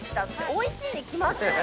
おいしいに決まってる！